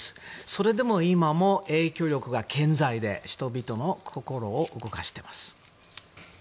それでも今も影響力は健在で人々の心を動かしています。